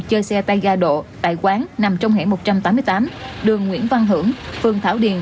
chơi xe tay ga độ tại quán nằm trong hẻm một trăm tám mươi tám đường nguyễn văn hưởng phường thảo điền